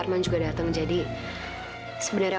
sampai jumpa di video selanjutnya